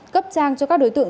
cấp trang cho các đối tượng